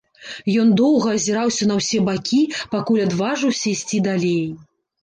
Ён доўга азіраўся на ўсе бакі, пакуль адважыўся ісці далей.